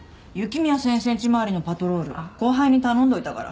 宮先生んち周りのパトロール後輩に頼んでおいたから。